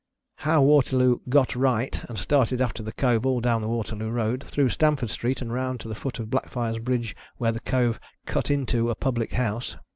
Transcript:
How Waterloo " got right," and started after the Cove all down the Waterloo Road, through Stamford Street, and round to the foot of Blackfriars Bridge, where the Cove " cut into " a public house.